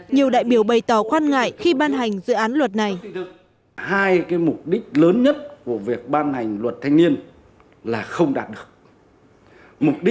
nhiều đại biểu bày tỏ quan ngại khi ban hành dự án luật thanh niên sửa đổi